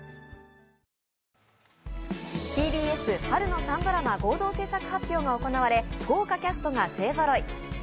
ＴＢＳ春の３ドラマ合同制作発表が行われ、豪華キャストが勢ぞろい。